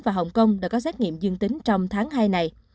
và hồng kông đã có xét nghiệm dương tính trong tháng hai này